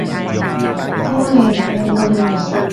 超靚！靚到你唔信！